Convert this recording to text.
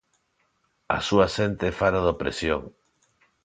A súa xente fala de opresión.